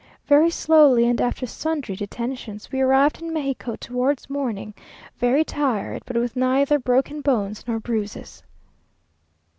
Very slowly and after sundry detentions, we arrived in Mexico towards morning, very tired, but with neither broken bones nor bruises.